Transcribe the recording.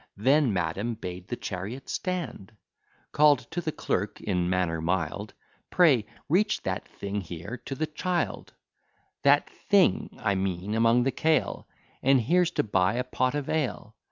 Then madam bade the chariot stand, Call'd to the clerk, in manner mild, Pray, reach that thing here to the child: That thing, I mean, among the kale; And here's to buy a pot of ale.